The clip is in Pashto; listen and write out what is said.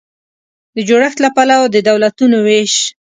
د جوړښت له پلوه د دولتونو وېش